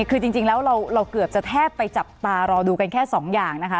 คือจริงแล้วเราเกือบจะแทบไปจับตารอดูกันแค่สองอย่างนะคะ